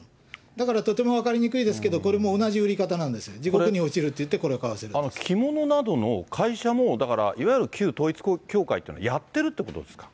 だからとても分かりにくいですけれども、これも同じ売り方なんですよ、地獄に落ちるって言って、着物などの会社も、だから、いわゆる旧統一教会っていうのが、やってるってことですか。